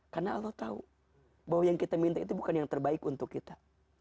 karena allah tahu bahwa yang kita minta itu bukan yang terbaik untuk kita